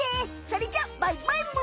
それじゃバイバイむ！